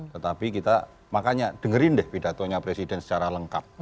tetapi kita makanya dengerin deh pidatonya presiden secara lengkap